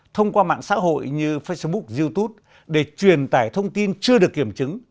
thông qua mạng xã hội như facebook youtube để truyền tải thông tin chưa được kiểm chứng